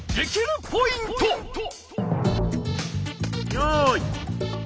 よい。